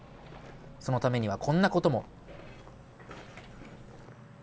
そのためにはこんなことも。